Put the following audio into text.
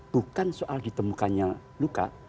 bukan soal ditemukannya luka